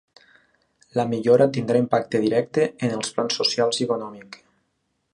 La millora tindrà impacte directe en els plans social i econòmic.